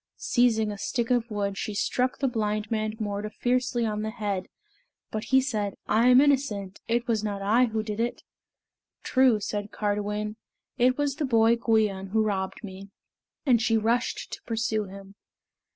Seizing a stick of wood, she struck the blind man Morda fiercely on the head, but he said, "I am innocent. It was not I who did it." "True," said Cardiwen; "it was the boy Gwion who robbed me;" and she rushed to pursue him.